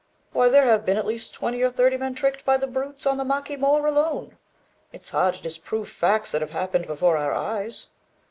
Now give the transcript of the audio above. Why, there have been at least twenty or thirty men tricked by the brutes on the Maki Moor alone. It's hard to disprove facts that have happened before our eyes."